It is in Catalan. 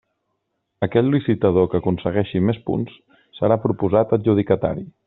Aquell licitador que aconsegueixi més punts serà proposat adjudicatari.